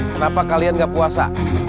kenapa kalian gak puasa